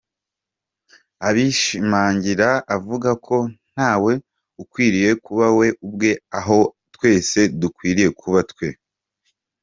Abishimangira avuga ko ‘Ntawe ukwiriye kuba ’we’ ubwe aho twese dukwiriye kuba ’twe’.